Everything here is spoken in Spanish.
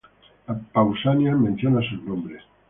Pausanias menciona sus nombres.